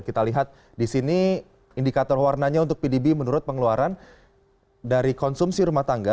kita lihat di sini indikator warnanya untuk pdb menurut pengeluaran dari konsumsi rumah tangga